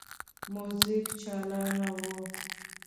موزیک چالانه وو.